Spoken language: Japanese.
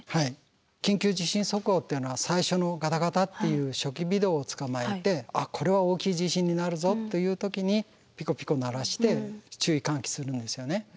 緊急地震速報っていうのは最初のガタガタっていう初期微動をつかまえてあっこれは大きい地震になるぞという時にピコピコ鳴らして注意喚起するんですよね。